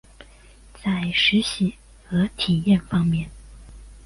在实习和体验方面